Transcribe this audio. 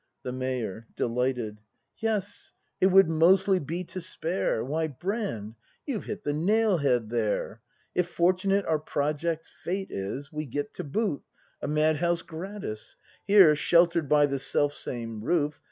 The Mayor. [Delighted.] Yes, it would mostly be to spare! Why, Brand, you've hit the nail head there! If fortunate our project's fate is. We get to boot — a Mad house gratis; Here, shclter'd by the selfsame roof.